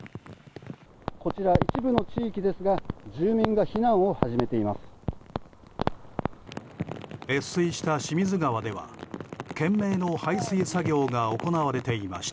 こちら一部の地域ですが住民が避難を始めています。